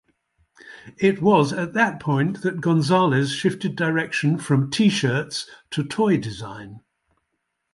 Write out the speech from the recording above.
It was at that point that Gonzales shifted direction from T-shirts to toy design.